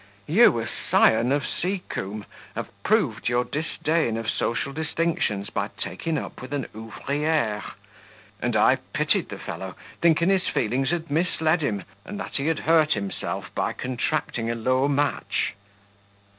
You, a scion of Seacombe, have proved your disdain of social distinctions by taking up with an ouvriere! And I pitied the fellow, thinking his feelings had misled him, and that he had hurt himself by contracting a low match!"